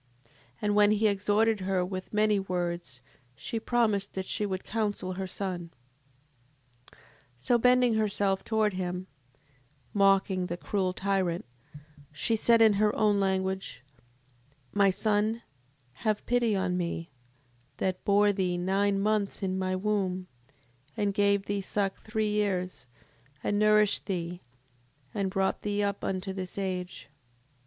7:26. And when he had exhorted her with many words she promised that she would counsel her son. 7:27. So bending herself towards him, mocking the cruel tyrant, she said in her own language: My son have pity upon me, that bore thee nine months in my womb, and gave thee suck three years, and nourished thee, and brought thee up unto this age.